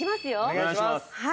お願いします。